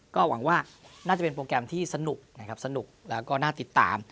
ก็หวังว่าน่าจะเป็นโปรแกรมที่สนุกแล้วก็น่าติดตาม